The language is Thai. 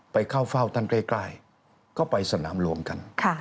ไปเข้าเฝ้าตั้งใกล้ก็ไปสนามหลวงกัน